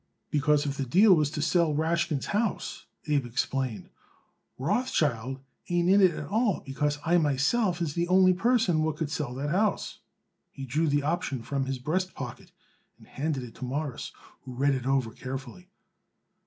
"Because if the deal was to sell Rashkin's house," Abe explained, "Rothschild ain't in it at all, because I myself is the only person what could sell that house." He drew the option from his breast pocket and handed it to Morris, who read it over carefully.